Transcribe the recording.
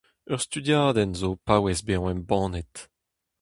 Ur studiadenn zo o paouez bezañ embannet.